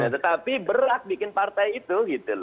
tetapi berat bikin partai itu